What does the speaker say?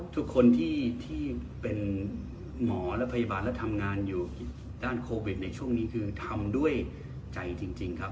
ทุกคนที่เป็นหมอและพยาบาลและทำงานอยู่ด้านโควิดในช่วงนี้คือทำด้วยใจจริงครับ